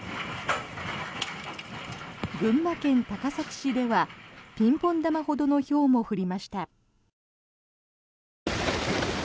群馬県高崎市ではピンポン球ほどのひょうも降りました。